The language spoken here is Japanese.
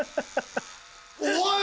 おい！